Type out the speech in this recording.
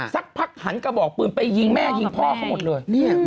สักพักหันกระบอกปืนไปยิงแม่ยิงพ่อเขาหมดเลย